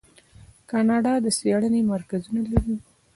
کاناډا د څیړنې مرکزونه لري.